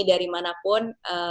dari mana pun